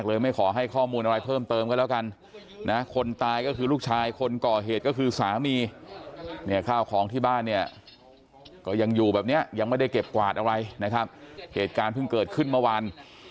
ไม่ขอให้ข้อมูลอะไรเพิ่มเติมก็แล้วกันนะคนตายก็คือลูกชายคนก่อเหตุก็คือสามีเนี่ยข้าวของที่บ้านเนี่ยก็ยังอยู่แบบเนี้ยยังไม่ได้เก็บกวาดอะไรนะครับเหตุการณ์เพิ่งเกิดขึ้นเมื่อวาน